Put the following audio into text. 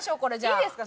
いいですか？